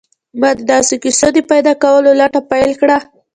ما د داسې کیسو د پیدا کولو لټه پیل کړه